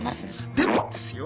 でもですよ